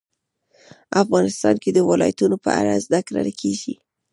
افغانستان کې د ولایتونو په اړه زده کړه کېږي.